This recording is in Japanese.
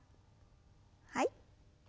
はい。